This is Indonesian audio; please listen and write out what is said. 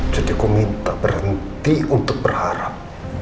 jadi aku minta berhenti untuk berharap